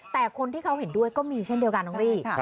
แต่คนที่เขาเห็นด้วยก็มีเช่นเดียวกันน้องรี่